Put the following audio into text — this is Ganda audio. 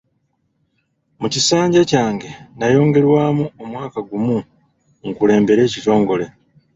Mu kisanja kyange nayongerwamu omwaka gumu nkulembere ekitongole.